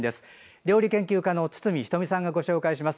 料理研究家の堤人美さんがご紹介します。